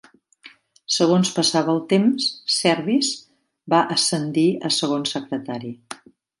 Segons passava el temps, Service va ascendir a Segon secretari.